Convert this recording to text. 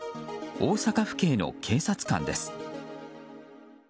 大阪府警の警察官です。